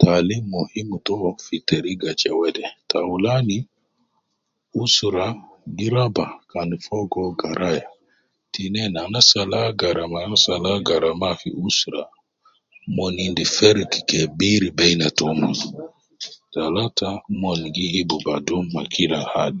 Taalim muhim to fi teriga je wede. Taulani, usra gi raba kan fogo garaya. Tinein anas al agara ma anas al agara ma fi usra, mon endi ferik kebir beina taumon. Talata mon gi hibu badum me kila hal.